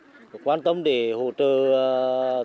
và các vùng ngành trung ương quan tâm để hỗ trợ nước sạch